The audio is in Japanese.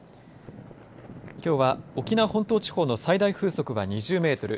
きょうは沖縄本島地方の最大風速は２０メートル